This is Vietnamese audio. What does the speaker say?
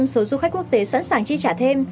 một mươi số du khách quốc tế sẵn sàng chi trả thêm